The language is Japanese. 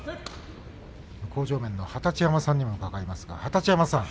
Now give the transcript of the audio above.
向正面の二十山さんにも伺います。